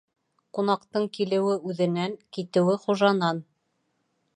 Ҡунаҡтың килеүе үҙенән, китеүе хужанан.